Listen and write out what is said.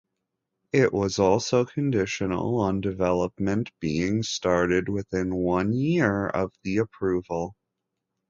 It was also conditional on development being started within one year of the approval.